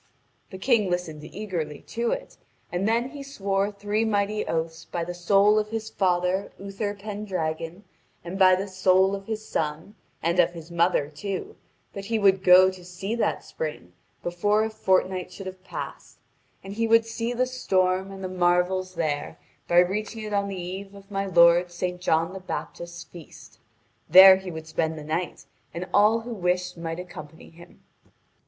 The King listened eagerly to it, and then he swore three mighty oaths by the soul of his father Utherpendragon, and by the soul of his son, and of his mother too, that he would go to see that spring before a fortnight should have passed; and he would see the storm and the marvels there by reaching it on the eve of my lord Saint John the Baptist's feast; there he would spend the night, and all who wished might accompany him.